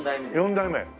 ４代目。